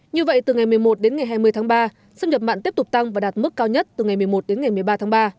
như vậy từ ngày một mươi một đến ngày hai mươi tháng ba xâm nhập mặn tiếp tục tăng và đạt mức cao nhất từ ngày một mươi một đến ngày một mươi ba tháng ba